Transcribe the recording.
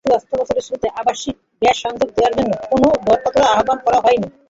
চলতি অর্থবছরের শুরুতে আবাসিকে গ্যাস-সংযোগ দেওয়ার জন্য কোনো দরপত্র আহ্বান করা হয়নি।